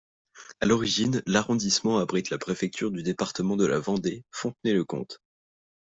À l’origine, l’arrondissement abrite la préfecture du département de la Vendée, Fontenay-le-Comte.